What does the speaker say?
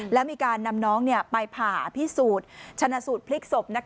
แล้วมีการนำน้องไปผ่าพิสูจน์ชนะสูตรพลิกศพ